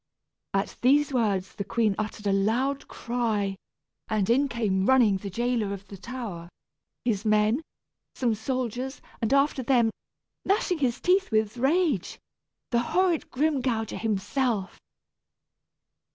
At these words the queen uttered a loud cry, and in came running the jailer of the tower, his men, some soldiers, and after them, gnashing his teeth with rage, the horrid Grimgouger himself.